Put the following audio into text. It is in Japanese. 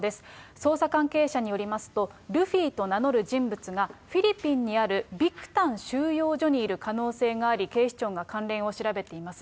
捜査関係者によりますと、ルフィと名乗る人物が、フィリピンにあるビクタン収容所にいる可能性があり、警視庁が関連を調べています。